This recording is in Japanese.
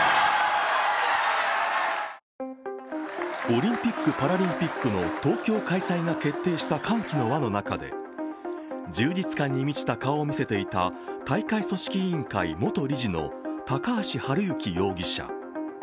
オリンピック・パラリンピックの東京開催が決定した歓喜の輪の中で、充実感に満ちた顔を見せていた大会組織委員会元理事の高橋治之容疑者。